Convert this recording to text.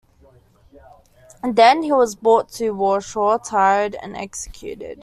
Than he was brought to Warsaw, tried and executed.